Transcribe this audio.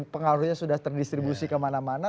pengaruhnya sudah terdistribusi kemana mana